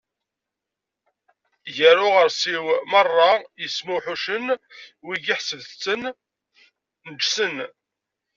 Gar uɣersiw meṛṛa yesmulḥucen, wigi ḥesbet-ten neǧsen.